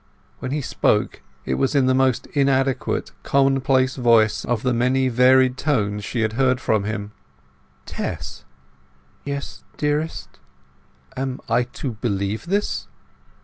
When he spoke it was in the most inadequate, commonplace voice of the many varied tones she had heard from him. "Tess!" "Yes, dearest." "Am I to believe this?